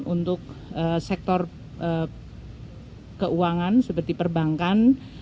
untuk sektor keuangan seperti perbankan